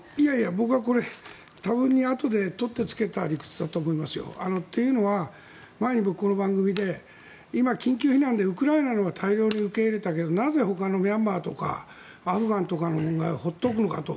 僕は多分に取ってつけたあとの理屈だと思いますがというのは前に僕、この番組で今、緊急避難でウクライナは大量に受け入れたけどなぜほかのミャンマーとかアフガンとかの問題は放っておくのかと。